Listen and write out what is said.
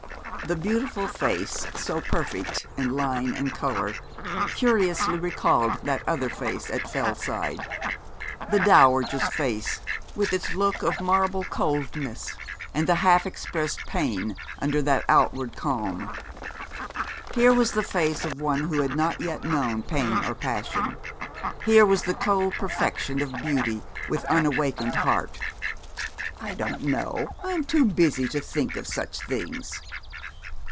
The beautiful face, so perfect in line and colour, curiously recalled that other face at Fellside; the dowager's face, with its look of marble coldness, and the half expressed pain under that outward calm. Here was the face of one who had not yet known pain or passion. Here was the cold perfection of beauty with unawakened heart. 'I don't know; I am too busy to think of such things.'